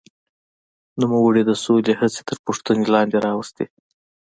نوموړي د سولې هڅې تر پوښتنې لاندې راوستې.